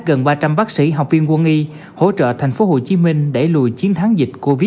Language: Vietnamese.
gần ba trăm linh bác sĩ học viên quân y hỗ trợ thành phố hồ chí minh để lùi chiến thắng dịch covid một mươi chín